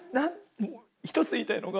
１つ言いたいのが。